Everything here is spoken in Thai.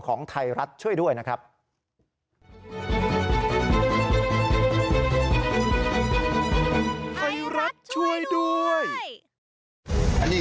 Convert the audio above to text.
ก็ล่วงไม่มี